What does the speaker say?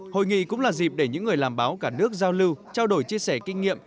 hội nghị cũng là dịp để những người làm báo cả nước giao lưu trao đổi chia sẻ kinh nghiệm